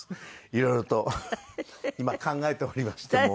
色々と今考えておりましてもう。